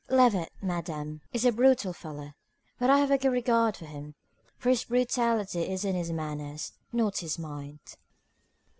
"Levett, Madam, is a brutal fellow, but I have a good regard for him; for his brutality is in his manners, not his mind."